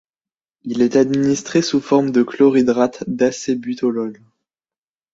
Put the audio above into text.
Il est administré sous forme de chlorhydrate d'acébutolol.